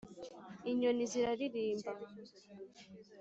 inyoni ziraririmba